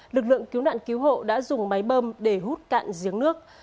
lực lượng cứu nạn cứu hộ đã dùng máy bơm để hút cạn giếng nước